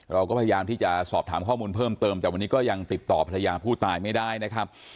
เราก็พยายามที่จะสอบถามข้อมูลเพิ่มเติมแต่วันนี้ก็ยังติดต่อภรรยาผู้ตายไม่ได้นะครับ